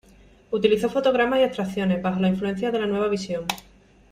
Utilizó fotogramas y abstracciones, bajo la influencia de la nueva visión.